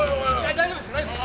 大丈夫ですか？